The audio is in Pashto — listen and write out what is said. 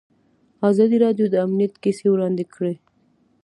ازادي راډیو د امنیت کیسې وړاندې کړي.